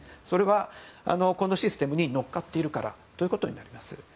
それは、このシステムに乗っかっているからということになります。